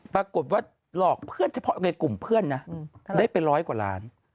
ปรากฏว่าหลอกเพื่อนเฉพาะในกลุ่มเพื่อนนะได้ไปร้อยกว่าล้าน